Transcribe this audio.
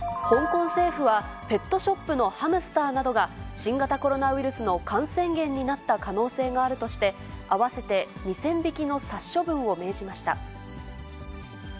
香港政府は、ペットショップのハムスターなどが、新型コロナウイルスの感染源になった可能性があるとして、合わせて２０００匹の殺処分を命じました。